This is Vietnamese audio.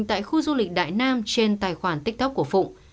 tại khu du lịch đại nam trên tài khoản tiktok của phụng